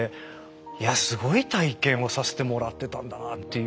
いやすごい体験をさせてもらってたんだなあっていう。